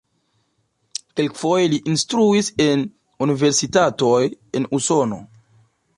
Kelkfoje li instruis en universitatoj en Usono.